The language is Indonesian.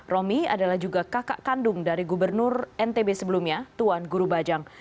romi adalah juga kakak kandung dari gubernur ntb sebelumnya tuan guru bajang